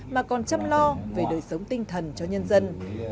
mà còn chăm lo về đời sống tinh thần cho nhân dân